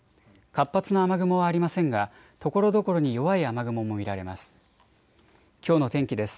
活発な雨雲はありませんがところどころに弱い雨雲も見られます。